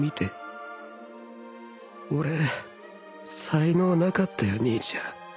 俺才能なかったよ兄ちゃん